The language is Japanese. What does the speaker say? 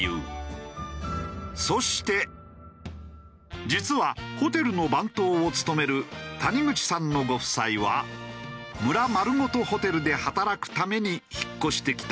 そして実はホテルの番頭を務める谷口さんのご夫妻は村まるごとホテルで働くために引っ越してきた移住組だ。